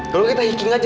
kalau kita hiking aja